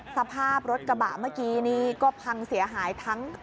สภาพรถกระบะเมื่อกี้นี่ก็พังเสียหายทั้ง